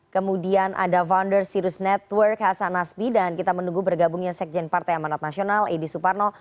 kemudian ada founder sirus network hasan nasbi dan kita menunggu bergabungnya sekjen partai amanat nasional edi suparno